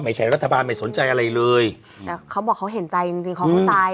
รัฐบาลไม่สนใจอะไรเลยแต่เขาบอกเขาเห็นใจจริงจริงเขาเข้าใจ